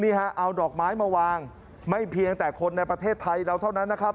เอาดอกไม้มาวางไม่เพียงแต่คนในประเทศไทยเราเท่านั้นนะครับ